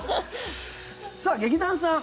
さあ、劇団さん。